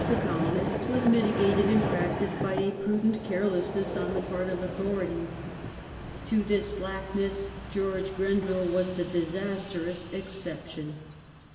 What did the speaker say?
72 THE LAST YEARS OF TORY RULE [1822 Colonists was mitigated in practice by a prudent carelessness on the part of authority. To this slackness George Grenville was the disastrous exception.